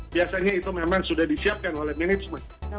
biasanya itu memang sudah disiapkan oleh manajemen